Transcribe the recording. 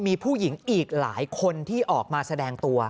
มีผู้หญิงอีกหลายคนที่ออกมาแสดงตัว